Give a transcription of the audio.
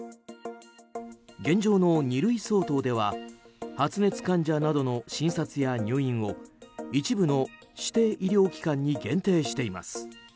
現状の二類相当では発熱患者などの診察や入院を一部の指定医療機関に限定しています。